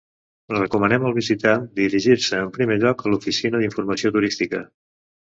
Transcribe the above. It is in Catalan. Recomanem al visitant dirigir-se en primer lloc a l'oficina d'informació turística.